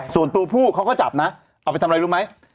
ส่วนตัวผู้เขาก็จับนะเอาไปทำอะไรรู้ไหม